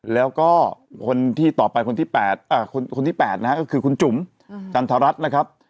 แล้วก็คนที่ต่อไปคนที่๘คนที่๘นะฮะก็คือคุณจุ๋มจันทรัศน์นะครับ